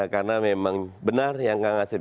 karena memang benar yang kang asef